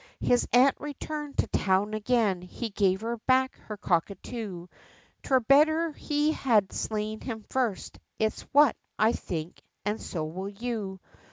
His aunt returned to town again; he gave her back her cockatoo, 'Twere better he had slain him first; it's what, I think, and so will you.